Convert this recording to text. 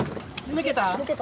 抜けた。